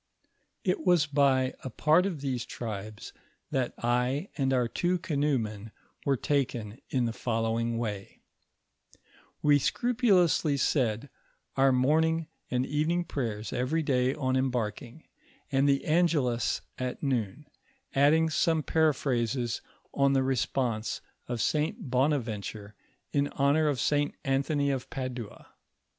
It was by a part of these tribes 8 lU KABSAimB OF FATHKB IIKNinCPIlf that I and our two canoemen were taken in the following way :— We Bcrupulonsly enid our morning and evening prayers every day on embarking, and the Angelns at noon, adding some paraphrases on the Response of St. Bonaventure in honor of St. Anthony of Padua.